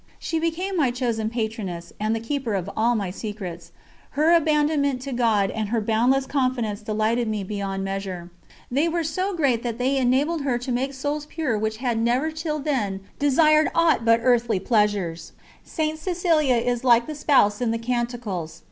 She became my chosen patroness, and the keeper of all my secrets; her abandonment to God and her boundless confidence delighted me beyond measure. They were so great that they enabled her to make souls pure which had never till then desired aught but earthly pleasures. St. Cecilia is like the Spouse in the Canticles.